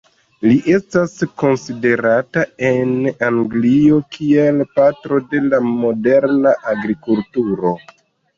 Li estas konsiderata en Anglio kiel "patro" de la moderna agrikulturo.